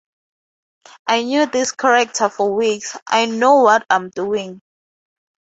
I knew this character for weeks, I know what I'm doing.